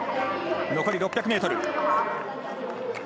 残り６００ｍ。